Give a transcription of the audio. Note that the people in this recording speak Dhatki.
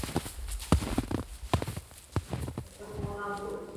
اتو ڪوڙ نا ٻول.